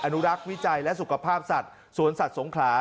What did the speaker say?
นุรักษ์วิจัยและสุขภาพสัตว์สวนสัตว์สงขลา